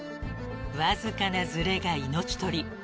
［わずかなずれが命取り］